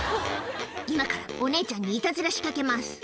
「今からお姉ちゃんにいたずら仕掛けます」